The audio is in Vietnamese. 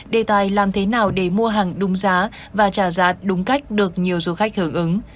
đề tài làm thế nào để mua hàng đúng giá và trả giá đúng cách được nhiều du khách hưởng ứng